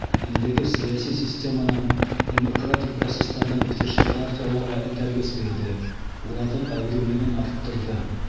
Илдәге сәйәси системаның, демократик процестарҙың үҫеше партияларға этәргес бирҙе, уларҙың әүҙемлеген арттырҙы.